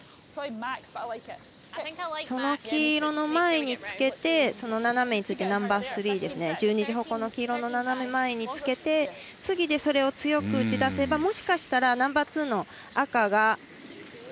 その黄色の前につけてその斜めについたナンバースリー１２時方向の黄色の斜め前につけて次でそれを強く打ち出せばもしかしたらナンバーツーの赤が。